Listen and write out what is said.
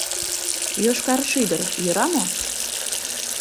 — «Йошкар шӱдыр» йӧра мо?